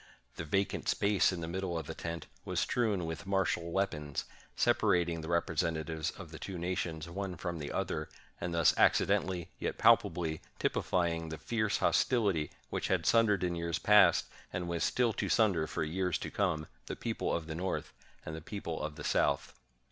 The vacant space of the middle of the tent was strewn with martial weapons, separating the representatives of the two nations one from the other; and thus accidentally, yet palpably, typifying the fierce hostility which had sundered in years past, and was still to sunder for years to come, the people of the North and the people of the South.